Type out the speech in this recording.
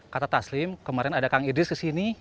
kata taslim kemarin ada kang idris kesini